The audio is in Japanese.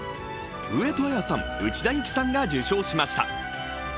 上戸彩さん、内田有紀さんが受賞しました。